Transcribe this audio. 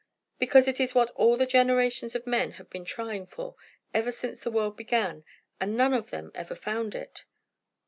"Because it is what all the generations of men have been trying for, ever since the world began; and none of them ever found it."